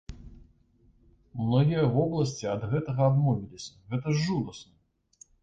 Многія вобласці ад гэтага адмовіліся, гэта ж жудасна!